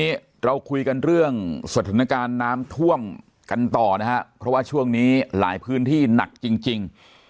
วันนี้เราคุยกันเรื่องสถานการณ์น้ำท่วมกันต่อนะฮะเพราะว่าช่วงนี้หลายพื้นที่หนักจริง